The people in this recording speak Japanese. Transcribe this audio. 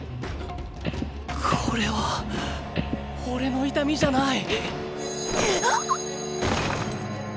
これはおれの痛みじゃない。